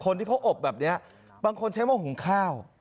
คนที่เขาอบแบบนี้บางคนใช้มาหุงข้าว